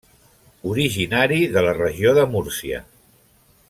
Originari de la regió de Múrcia.